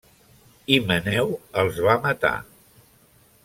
Himeneu els va matar.